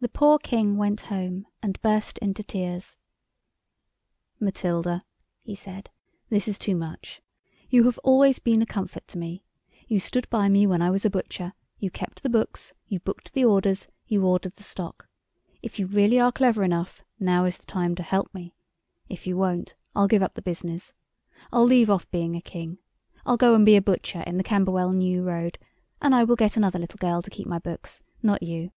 The poor King went home and burst into tears. "Matilda," he said, "this is too much. You have always been a comfort to me. You stood by me when I was a butcher; you kept the books; you booked the orders; you ordered the stock. If you really are clever enough, now is the time to help me. If you won't, I'll give up the business. I'll leave off being a King. I'll go and be a butcher in the Camberwell New Road, and I will get another little girl to keep my books, not you."